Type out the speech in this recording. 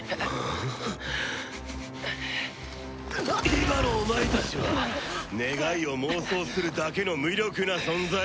今のお前たちは願いを妄想するだけの無力な存在。